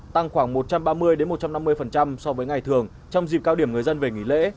tăng khoảng một trăm ba mươi một trăm năm mươi so với ngày thường trong dịp cao điểm người dân về nghỉ lễ